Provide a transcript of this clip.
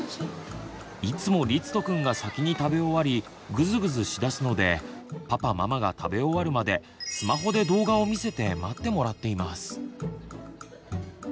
いつもりつとくんが先に食べ終わりぐずぐずしだすのでパパママが食べ終わるまでスマホで動画を見せて待ってもらっています。